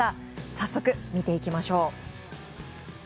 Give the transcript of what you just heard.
早速、見ていきましょう。